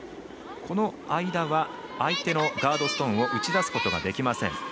この間は相手のガードストーンを打ち出すことはできません。